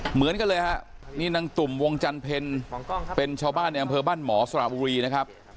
เหมือนกันเลยฮะนี่นางตุ่มวงจันเพลเป็นชาวบ้านในอำเภอบ้านหมอสระบุรีนะครับ